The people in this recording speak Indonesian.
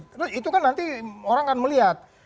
terus itu kan nanti orang akan melihat